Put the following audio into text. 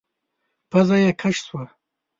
پزه يې کش شوه.